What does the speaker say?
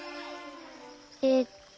えっと。